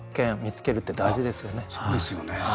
そうですよね。